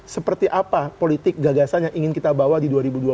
seperti apa politik gagasan yang ingin kita bawa di dua ribu dua puluh